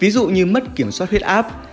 ví dụ như mất kiểm soát huyết áp